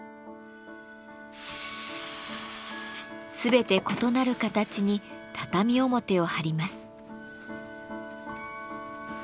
全て異なる形に畳表を貼ります。